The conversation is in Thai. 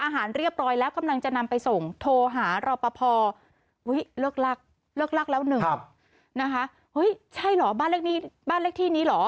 เฮ้ยใช่เหรอบ้านเลขที่นี้เหรอ